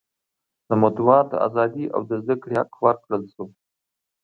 د مطبوعاتو ازادي او د زده کړې حق ورکړل شو.